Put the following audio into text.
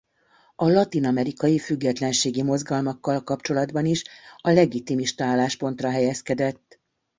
A latin-amerikai függetlenségi mozgalmakkal kapcsolatban is a legitimista álláspontra helyezkedett.